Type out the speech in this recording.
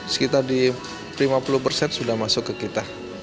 sekitar di lima puluh persen sudah masuk ke kita